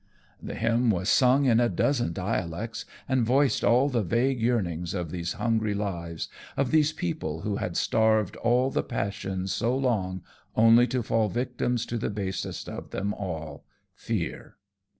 _" The hymn was sung in a dozen dialects and voiced all the vague yearning of these hungry lives, of these people who had starved all the passions so long, only to fall victims to the basest of them all, fear.